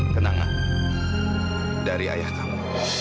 kenangan dari ayah kamu